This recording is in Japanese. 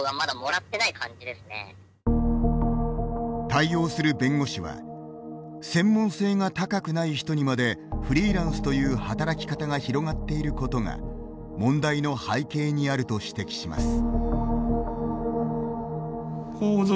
対応する弁護士は専門性が高くない人にまでフリーランスという働き方が広がっていることが問題の背景にあると指摘します。